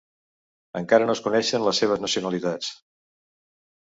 Encara no es coneixen les seves nacionalitats.